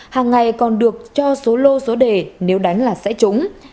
hàng ngày còn được cho số lô số đề nếu đánh là sẽ trúng